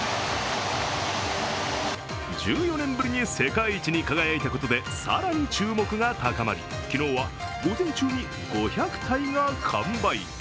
１４年ぶりに世界一に輝いたことで更に注目が高まり昨日は午前中に５００体が完売。